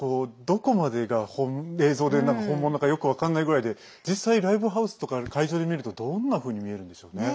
どこまでが映像で本物かよく分かんないぐらいで実際、ライブハウスとか会場で見るとどんなふうに見えるんでしょうね。